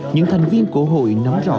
những thành viên của hội nắm rõ